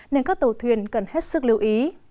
nên các tàu thuyền cần hết sức lưu ý